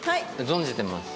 存じてます。